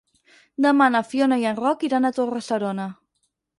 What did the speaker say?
Demà na Fiona i en Roc iran a Torre-serona.